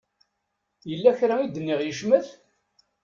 Yella kra i d-nniɣ yecmet?